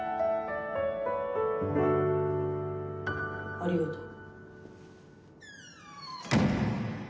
ありがとう。